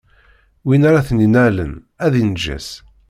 Win ara ten-innalen ad inǧes.